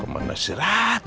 kau mana sirat